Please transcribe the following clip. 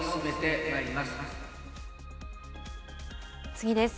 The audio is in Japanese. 次です。